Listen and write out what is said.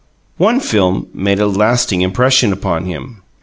One film made a lasting impression upon him.